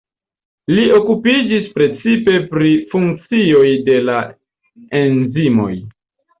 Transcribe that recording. Li okupiĝis precipe pri funkcioj de la enzimoj.